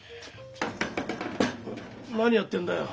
何やってんだよ？